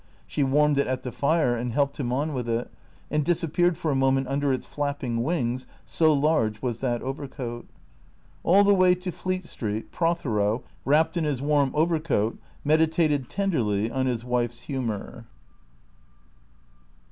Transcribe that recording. She warmed it at the fire and helped him on with it, and disappeared for a moment under its flapping wings, so large was that overcoat. All the way to Fleet Street, Prothero, wrapped in his warm overcoat, meditated tenderly on his wife's humour.